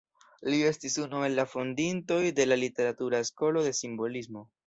Li estis unu el la fondintoj de la literatura skolo de simbolismo.